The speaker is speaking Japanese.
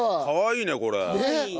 かわいいねこれ。